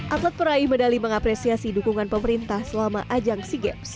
atlet peraih medali mengapresiasi dukungan pemerintah selama ajang sea games